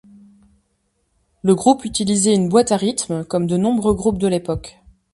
Le groupe utilisait une boite à rythme comme de nombreux groupes de l'époque.